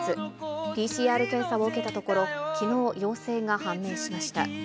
ＰＣＲ検査を受けたところ、きのう陽性が判明しました。